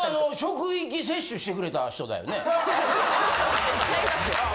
これは僕の職域接種してくれた人だよね。